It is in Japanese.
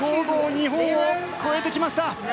日本を超えてきました。